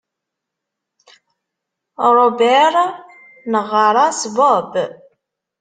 Robert neɣɣar-as Bob.